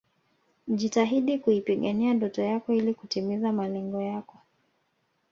Jitahidi kuipigania ndoto yako ili kutimiza malengo yako